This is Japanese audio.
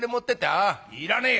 「ああいらねえよ」。